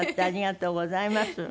ありがとうございます。